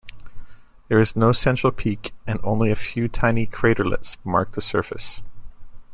There is no central peak, and only a few tiny craterlets mark the surface.